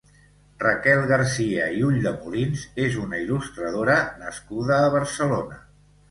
Raquel García i Ulldemolins és una il·lustradora nascuda a Barcelona.